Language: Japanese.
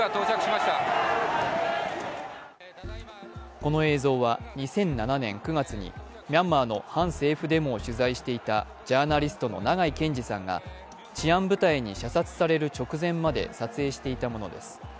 この映像は２００７年９月にミャンマーの反政府デモを取材していたジャーナリストの長井健司さんが治安部隊に射殺される直前まで撮影していたものです。